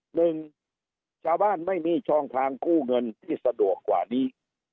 หนึ่งชาวบ้านไม่มีช่องทางกู้เงินที่สะดวกกว่านี้